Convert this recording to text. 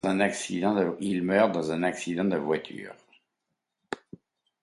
Il meurt dans un accident de voiture.